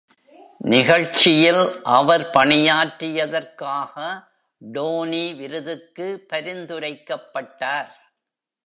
நிகழ்ச்சியில் அவர் பணியாற்றியதற்காக டோனி விருதுக்கு பரிந்துரைக்கப்பட்டார்.